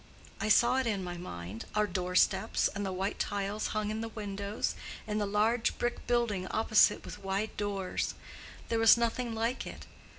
I saw it in my mind—our doorsteps, and the white tiles hung in the windows, and the large brick building opposite with wide doors. But there was nothing like it.